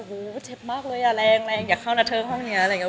วู้วเจ็บมากเลยอะแรงแรงอย่าเข้าหน้าเทิงห้องนี้อะไรอย่างเงี้ย